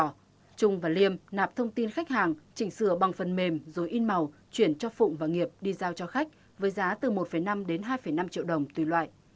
trước đó trung và liêm nạp thông tin khách hàng chỉnh sửa bằng phần mềm rồi in màu chuyển cho phụng và nghiệp đi giao cho khách với giá từ một năm đến hai năm triệu đồng tùy loại